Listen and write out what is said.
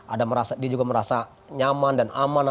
ada dia juga merasa nyaman dan aman